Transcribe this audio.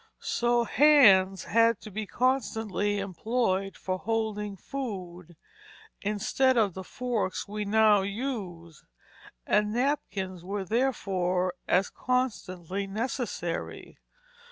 So hands had to be constantly employed for holding food, instead of the forks we now use, and napkins were therefore as constantly necessary.